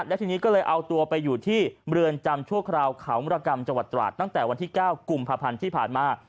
และทีนี้ก็เลยเอาตัวไปอยู่ที่เรือนจำชั่วคราวเขามรกรรมจังหวัดตราดตั้งแต่วันที่๙กุมภาพันธ์ที่ผ่านมา